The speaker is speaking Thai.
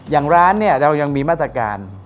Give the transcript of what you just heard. อย่างร้านเนี่ยเรายังมีมาตรการ